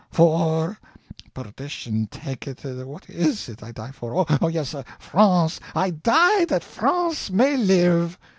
for ... perdition take it, what IS it I die for? ... oh, yes FRANCE! I die that France may live!"